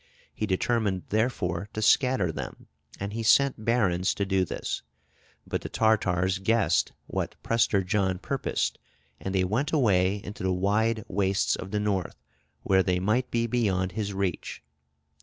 He determined therefore to scatter them, and he sent barons to do this. But the Tartars guessed what Prester John purposed ... and they went away into the wide wastes of the North, where they might be beyond his reach."